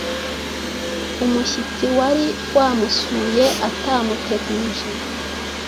umushyitsi wari wamusuye atamuteguje